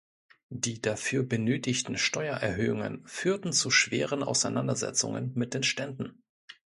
Die dafür benötigten Steuererhöhungen führten zu schweren Auseinandersetzungen mit den Ständen.